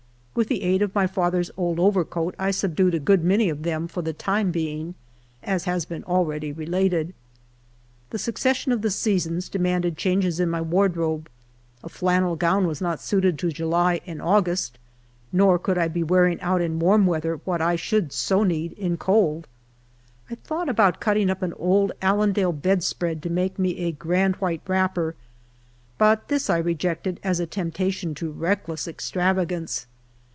With the aid of my father's old overcoat I subdued a good many of them for the time being, as has been already related. The succession of the seasons demanded changes in my wardrobe ; a flannel gown was not suited to July and August, nor could I be wearing out in warm weather what I should so need in cold. I thou^jht about cutting up an old Allendale bed spread to make me a very grand white wrapper, but this I rejected as a temptation to reckless extravagance.